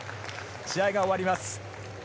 試合が終わります。